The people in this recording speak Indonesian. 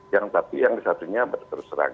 yang satu satunya berserang